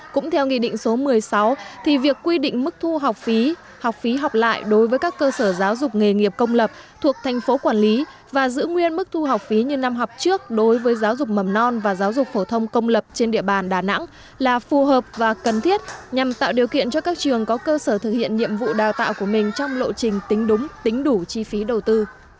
cũng theo nghị định số một mươi sáu thì việc quy định mức thu học phí học phí học lại đối với các cơ sở giáo dục nghề nghiệp công lập thuộc tp quản lý và giữ nguyên mức thu học phí như năm học trước đối với giáo dục mầm non và giáo dục phổ thông công lập trên địa bàn đà nẵng là phù hợp và cần thiết nhằm tạo điều kiện cho các trường có cơ sở thực hiện nhiệm vụ đào tạo của mình trong lộ trình tính đúng tính đủ chi phí đầu tư